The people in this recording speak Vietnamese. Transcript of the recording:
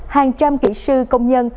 hàng trăm kỹ sư công nhân